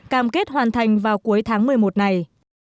cam kết hoàn thành vào cuối tháng một mươi một này